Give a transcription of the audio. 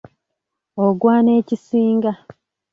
Oggwana ekisinga.